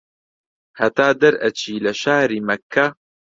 هەتا دەرئەچی لە شاری مەککە